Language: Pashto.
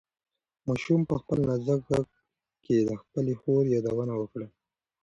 ماشوم په خپل نازک غږ کې د خپلې خور یادونه وکړه.